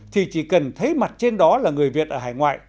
thì chỉ cần thấy mặt trên đó là người việt ở hải ngoại